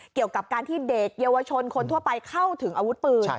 เกี่ยวกับการที่เด็กเยาวชนคนทั่วไปเข้าถึงอาวุธปืน